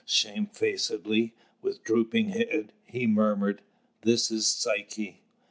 Shamefacedly, with drooping head, he murmured, "This is Psyche."